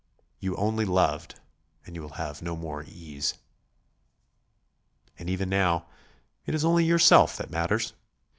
'you only loved' and you will have no more ease. And, even now, it is only yourself that matters.